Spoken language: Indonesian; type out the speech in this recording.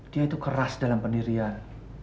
dia itu keras dalam pendirian